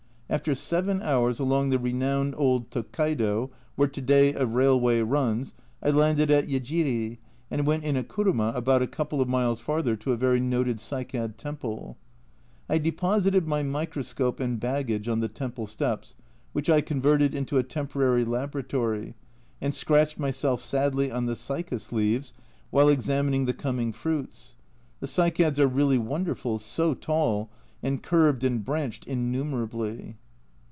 After seven hours along the renowned old Tokkaido, where to day a railway runs, I landed at Yejiri, and went in a kuruma about a couple of miles farther to a very noted cycad temple. I deposited my microscope and baggage on the temple steps, which I converted into a temporary laboratory, and scratched myself sadly on the cycas leaves while examining the coming fruits. The cycads are really wonderful so tall, and curved and branched innumerably.